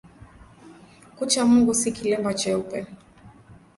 Kucha Mungu si kilemba cheupe